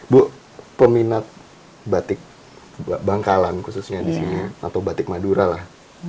bu peminat batik bangkalan khususnya di sini atau batik madura lah